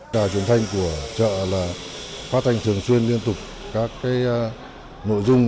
đài truyền thanh của chợ là phát thanh thường xuyên liên tục các nội dung